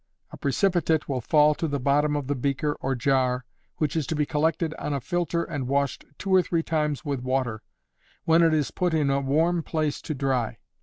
A precipitate will fall to the bottom of the beaker or jar, which is to be collected on a filter and washed two or three times with water, when it is put in a warm place to dry.